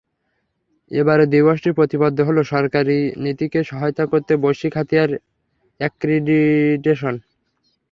এবারে দিবসটির প্রতিপাদ্য হলো সরকারি নীতিকে সহায়তা করতে বৈশ্বিক হাতিয়ার অ্যাক্রিডিটেশন।